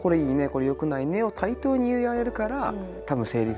「これよくないね」を対等に言い合えるから多分成立する。